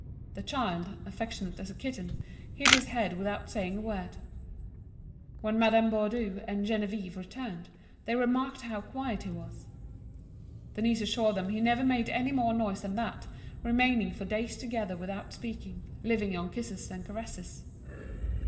The child, affectionate as a kitten, hid his head without saying a word. When Madame Baudu and Geneviève returned, they remarked how quiet he was. Denise assured them he never made any more noise than that, remaining for days together without speaking, living on kisses and caresses.